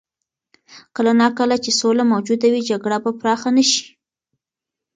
کله نا کله چې سوله موجوده وي، جګړه به پراخه نه شي.